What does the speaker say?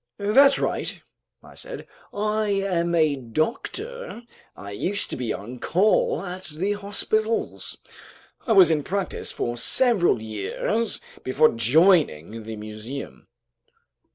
"That's right," I said, "I am a doctor, I used to be on call at the hospitals. I was in practice for several years before joining the museum."